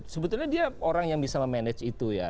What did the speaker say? sebetulnya dia orang yang bisa memanage itu ya